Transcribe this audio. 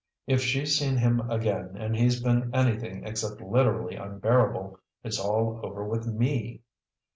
If she's seen him again, and he's been anything except literally unbearable, it's all over with ME.